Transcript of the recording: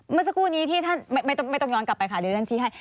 เมื่อสักครู่นี้ที่ท่านไม่ต้องย้อนกลับไปค่ะเดี๋ยวฉันชี้ให้